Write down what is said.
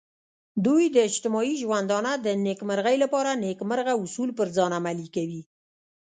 دوی د اجتماعي ژوندانه د نیکمرغۍ لپاره نیکمرغه اصول پر ځان عملي کوي.